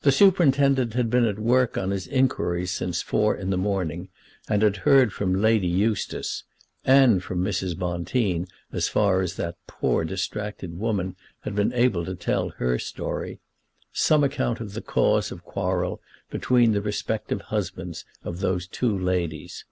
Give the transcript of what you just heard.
The superintendent had been at work on his inquiries since four in the morning, and had heard from Lady Eustace, and from Mrs. Bonteen, as far as that poor distracted woman had been able to tell her story, some account of the cause of quarrel between the respective husbands of those two ladies.